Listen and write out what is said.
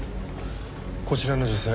こちらの女性